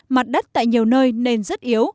mặt đất tại nhiều nơi nên rất yếu